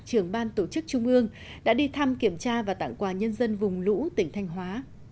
trưởng ban tổ chức trung ương đã đi thăm kiểm tra và tặng quà nhân dân vùng lũ tỉnh thanh hóa